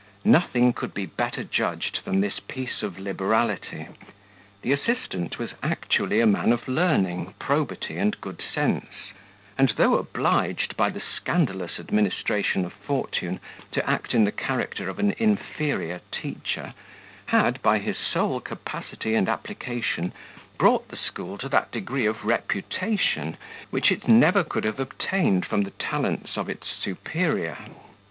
Nothing could be better judged than this piece of liberality; the assistant was actually a man of learning, probity, and good sense; and though obliged by the scandalous administration of fortune to act in the character of an inferior teacher, had, by his sole capacity and application, brought the school to that degree of reputation, which it never could have obtained from the talents of its superior.